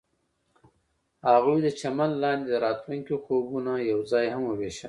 هغوی د چمن لاندې د راتلونکي خوبونه یوځای هم وویشل.